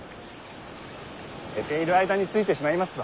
寝ている間に着いてしまいますぞ。